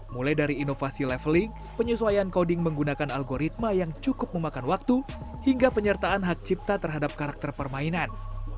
mulai dari inovasi leveling penyesuaian coding menggunakan algoritma yang cukup memakan waktu hingga penyertaan hak cipta terhadap karakter permainan